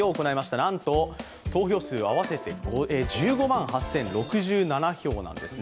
なんと投票数合わせて１５万８０６７票なんですね。